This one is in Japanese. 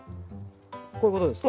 こういうことですか？